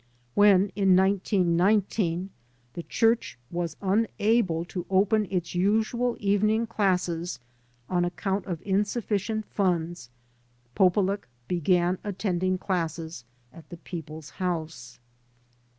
When, in 1919, the Qiurch was tmable to open its usual even ing classes on account of insufficient funds, Polulech began attending classes at the People's House.